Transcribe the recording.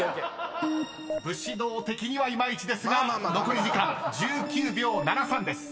［武士道的にはいまいちですが残り時間１９秒７３です］